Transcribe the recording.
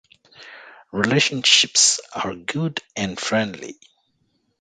Relationships are good and friendly.